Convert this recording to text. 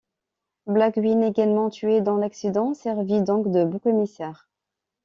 Blaguine, également tué dans l'accident, servit donc de bouc émissaire.